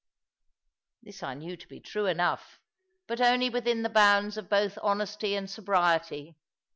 This I knew to be true enough, but only within the bounds of both honesty and sobriety.